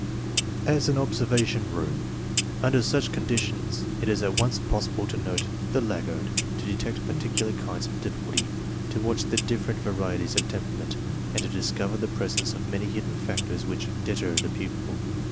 AS AN OBSERVATION ROOM Under such conditions it is at once possible to note the laggard, to detect particular kinds of difficulty, to watch the different varieties of temperament, and to discover the presence of many hidden factors which deter the pupil.